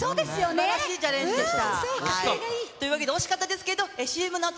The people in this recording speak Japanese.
すばらしいチャレンジでした。